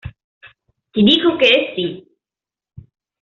Ti dico che è sì!